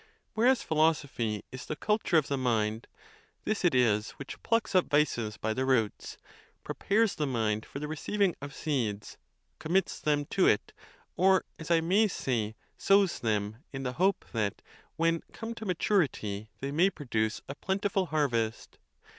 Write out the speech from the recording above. Whereas philosophy is the culture of the mind: this it is which plucks up vices by the roots; pre pares the mind for the receiving of seeds; commits them to it, or, as 1 may say, sows them, in the hope that, when come to maturity, they may produce a plentiful harvest.